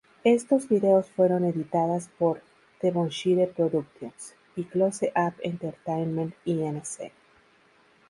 Estos vídeos fueron editadas por "Devonshire Productions" y "Close-Up Entertainment", Inc.